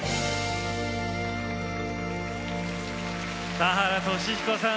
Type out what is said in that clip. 田原俊彦さん